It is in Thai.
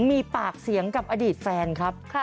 มีปากเสียงกับอดีตแฟนครับ